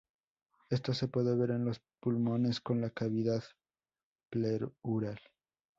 Esto se puede ver en los pulmones, con la cavidad pleural.